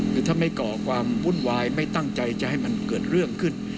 คือถ้าไม่ก่อความวุ่นวายไม่ตั้งใจจะให้มันเกิดเรื่องขึ้น